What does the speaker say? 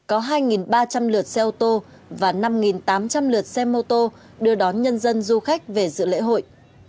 có hai ba trăm linh lượt xe ô tô và năm tám trăm linh lượt xe mô tô đưa đón nhân dân du khách về dự lễ hội